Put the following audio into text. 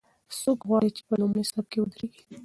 څوک غواړي چې په لومړي صف کې ودریږي؟